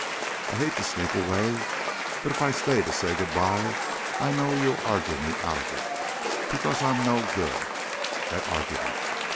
I hate to sneak away, but if I stay to say good bye I know you'll argue me out of it because I'm no good at an argument.